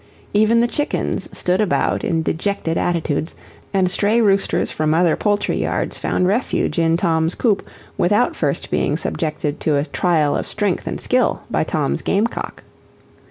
Even the chickens stood about in dejected attitudes, and stray roosters from other poultry yards found refuge in Tom's coop without first being subjected to a trial of strength and skill by Tom's game cock.